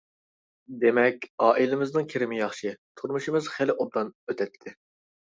— دېمەك، ئائىلىمىزنىڭ كىرىمى ياخشى، تۇرمۇشىمىز خېلى ئوبدان ئۆتەتتى.